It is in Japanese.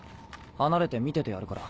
離れて見ててやるから。